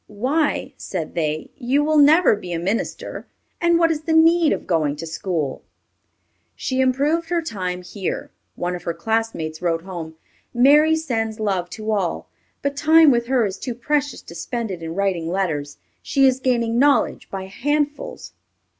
"Why," said they, "you will never be a minister, and what is the need of going to school?" She improved her time here. One of her classmates wrote home, "Mary sends love to all; but time with her is too precious to spend it in writing letters. She is gaining knowledge by handfuls."